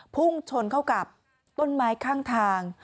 พุ่งชนเข้ากับต้นไม้ข้างทาง